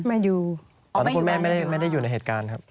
มาดูตอนนั้นคุณแม่ไม่ได้อยู่ในเหตุการณ์ครับ